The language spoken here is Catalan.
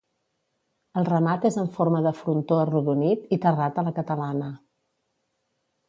El remat és en forma de frontó arrodonit i terrat a la catalana.